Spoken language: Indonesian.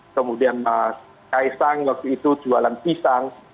kemudian mas kaisang waktu itu jualan pisang